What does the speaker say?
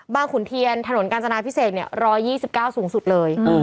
ขุนเทียนถนนกาญจนาพิเศษ๑๒๙สูงสุดเลย